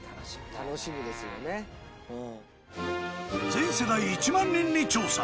全世代１万人に調査。